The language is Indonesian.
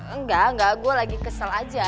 enggak enggak gue lagi kesel aja